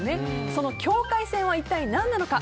その境界線は一体何なのか。